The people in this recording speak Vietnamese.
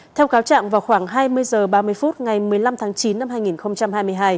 theo cáo trạng vào khoảng hai mươi h ba mươi phút ngày một mươi năm tháng chín năm hai nghìn hai mươi hai